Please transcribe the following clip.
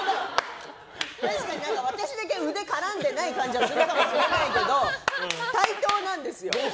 確かに私だけ腕絡んでない感じはするかもしれないけど対等なんですよ。